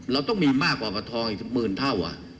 เราต้องมีมากกว่าประทองอีกหมื่นเท่า